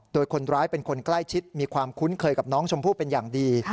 โดยคนร้ายเป็นคนใกล้ชิดมีความคุ้นเคยกับน้องชมพู่เป็นอย่างดี